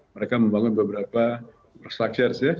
mereka membangun beberapa frastructures ya